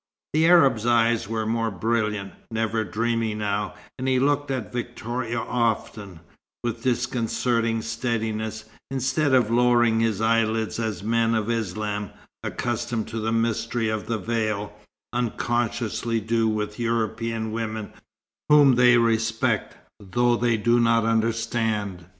The Arab's eyes were more brilliant, never dreamy now, and he looked at Victoria often, with disconcerting steadiness, instead of lowering his eyelids as men of Islam, accustomed to the mystery of the veil, unconsciously do with European women whom they respect, though they do not understand.